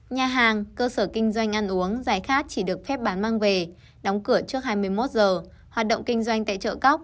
nhà hàng cơ sở kinh doanh ăn uống giải khát chỉ được phép bán mang về đóng cửa trước hai mươi một giờ hoạt động kinh doanh tại chợ cóc chợ tạm bị cấm